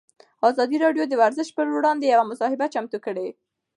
ازادي راډیو د ورزش پر وړاندې یوه مباحثه چمتو کړې.